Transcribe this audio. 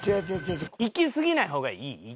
いきすぎない方がいい？